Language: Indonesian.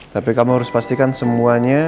tapi kamu harus pastikan semuanya